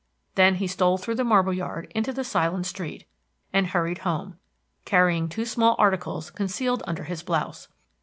Then he stole through the marble yard into the silent street, and hurried home, carrying two small articles concealed under his blouse.